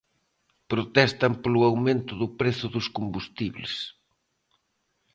Protestan polo aumento do prezo dos combustibles.